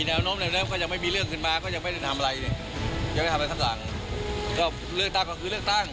ถึงวันไหนก็ทำอันนั้นกำหนดไปแล้วไม่ใช่เหรอ